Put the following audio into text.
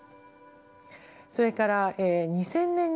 それから２０００年にはですね